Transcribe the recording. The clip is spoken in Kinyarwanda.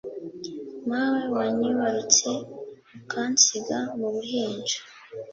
Mawe wanyibarutse Ukansiga mu buhinja